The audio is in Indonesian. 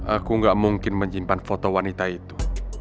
aku nggak mungkin menyimpan foto wanita itu